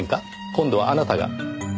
今度はあなたが。